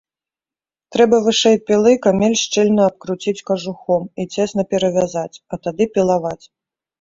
Трэба вышэй пілы камель шчыльна абкруціць кажухом і цесна перавязаць, а тады пілаваць.